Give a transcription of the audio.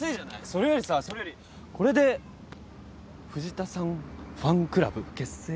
それよりさそれよりこれで藤田さんファンクラブ結成だね。